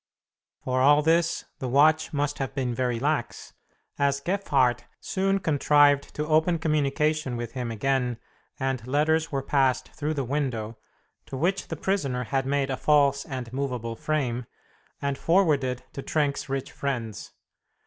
For all this the watch must have been very lax, as Gefhardt soon contrived to open communication with him again, and letters were passed through the window (to which the prisoner had made a false and movable frame) and forwarded to Trenck's rich friends.